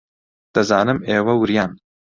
دەزانم ئێوە وریان.